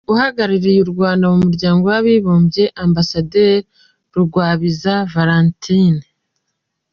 Uhagarariye u Rwanda mu Muryango w’Abibumbye: Ambasaderi Rugwabiza Valentine.